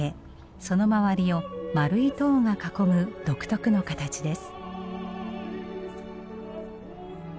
その周りを丸い塔が囲む独特の形です。